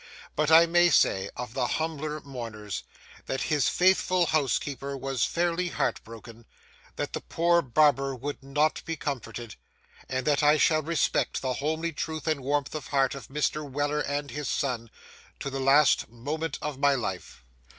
But I may say, of the humbler mourners, that his faithful housekeeper was fairly heart broken; that the poor barber would not be comforted; and that I shall respect the homely truth and warmth of heart of Mr. Weller and his son to the last moment of my life.